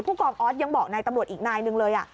ผู้กองออสยังบอกนายตำรวจอีกนายนึงเลยอ่ะ